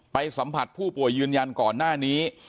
สัมผัสผู้ป่วยยืนยันก่อนหน้านี้